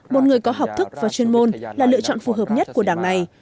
một người có học thức và chuyên môn là lựa chọn phù hợp nhất của đảng này